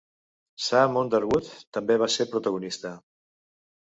Sam Underwood també va ser protagonista.